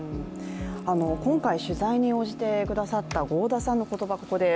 今回取材に応じてくださった合田さんの言葉です。